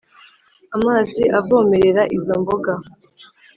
amazi avomerera izo mboga